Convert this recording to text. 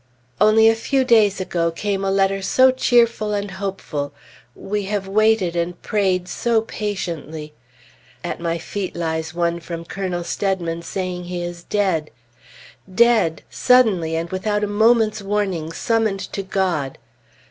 Only a few days ago came a letter so cheerful and hopeful we have waited and prayed so patiently at my feet lies one from Colonel Steadman saying he is dead. Dead! Suddenly and without a moment's warning summoned to God!